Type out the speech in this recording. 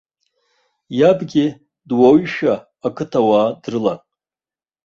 Иабгьы дуаҩушәа ақыҭауаа дрылан.